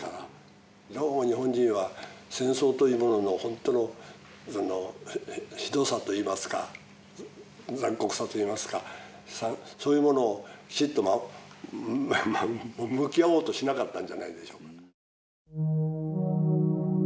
どうも日本人は戦争というものの本当のひどさといいますか残酷さといいますかそういうものをきちんと向き合おうとしなかったんじゃないでしょうか。